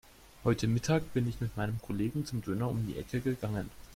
Heute Mittag bin ich mit meinen Kollegen zum Döner um die Ecke gegangen.